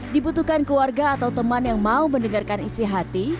dibutuhkan keluarga atau teman yang mau mendengarkan isi hati